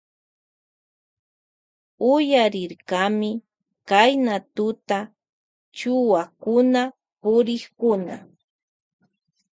Uyarirkami Kayna tuta chuwakuna purikkuna.